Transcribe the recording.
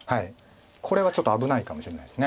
これはちょっと危ないかもしれないです。